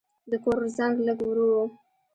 د کور زنګ لږ ورو و.